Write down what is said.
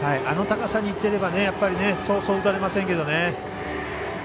あの高さにいっていればそうそう打たれませんけどね。